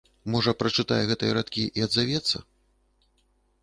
Можа, прачытае гэтыя радкі і адзавецца?